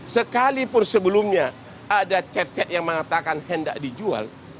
sekalipun sebelumnya ada chat chat yang mengatakan hendak dijual